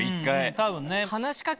多分ね。